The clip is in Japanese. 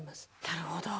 なるほど。